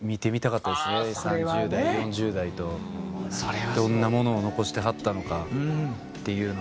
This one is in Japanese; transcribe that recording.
３０代４０代とどんなものを残してはったのかっていうのが。